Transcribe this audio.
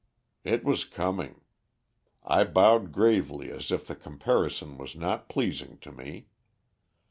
"It was coming. I bowed gravely as if the comparison was not pleasing to me.